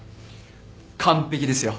完璧ですよ。